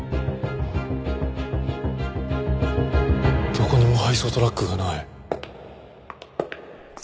どこにも配送トラックがない。